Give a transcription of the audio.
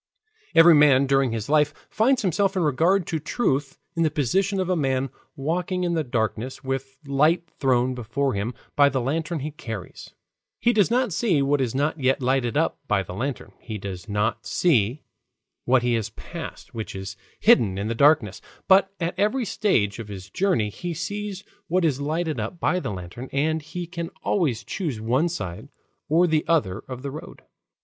Every man during his life finds himself in regard to truth in the position of a man walking in the darkness with light thrown before him by the lantern he carries. He does not see what is not yet lighted up by the lantern; he does not see what he has passed which is hidden in the darkness; but at every stage of his journey he sees what is lighted up by the lantern, and he can always choose one side or the other of the road.